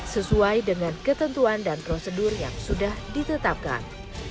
sesuai dengan ketentuan dan prosedur yang sudah ditetapkan